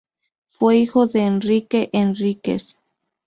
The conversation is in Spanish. Fue hijo de Enrique Enríquez.